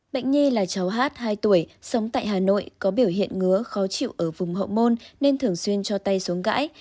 bệnh nhi là cháu hát hai tuổi sống tại hà nội có biểu hiện ngứa khó chịu ở vùng hậu môn nên thường xuyên cho tay xuống gãi